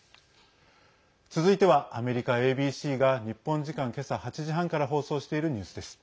続いては、アメリカＡＢＣが日本時間今朝８時半から放送しているニュースです。